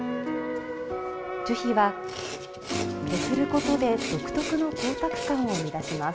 樹皮は削ることで独特の光沢感を生み出します。